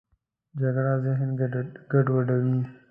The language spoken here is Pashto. جګړه ذهن ګډوډوي